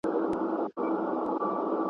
سرداري يې زما په پچه ده ختلې!